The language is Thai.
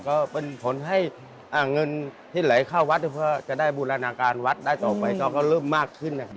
ก็เป็นผลให้เงินที่ไหลเข้าวัดจะได้บูรณาการวัดได้ต่อไปก็เริ่มมากขึ้นนะครับ